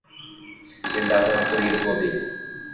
Endi azamat bir yigit bo'lding.